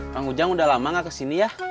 kang ujang udah lama gak kesini ya